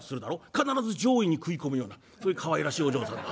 必ず上位に食い込むようなそういうかわいらしいお嬢さんだ」。